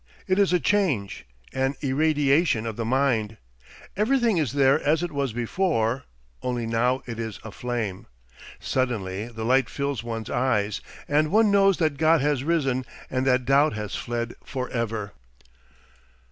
It is a change, an irradiation of the mind. Everything is there as it was before, only now it is aflame. Suddenly the light fills one's eyes, and one knows that God has risen and that doubt has fled for ever.